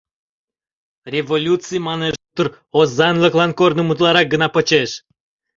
«Революций, манеш, хутор озанлыклан корным утларак гына почеш».